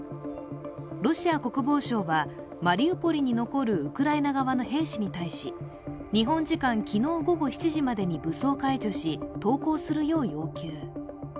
ロシア国防省はマリウポリに残るウクライナ側の兵士に対し、日本時間昨日午後７時までに武装解除し投降するよう要請。